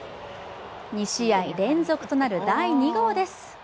２試合連続となる第２号です。